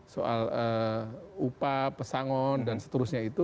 soal upah pesangon dan seterusnya itu